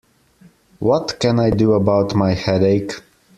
What can I do about my headache?